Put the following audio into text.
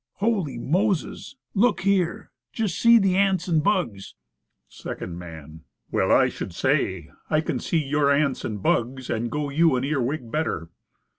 "Holy Moses! Look here. Just see the ants and bugs." Second Man. "Well, I should say! I can see your ants and bugs, and go you an ear wig better."